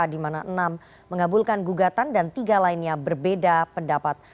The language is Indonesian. di mana enam mengabulkan gugatan dan tiga lainnya berbeda pendapat